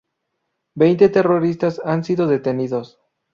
Veinte terroristas han sido detenidos.